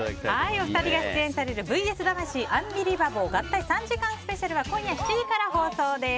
お二人が出演される「ＶＳ魂×アンビリバボー合体３時間スペシャル」は今夜７時から放送です。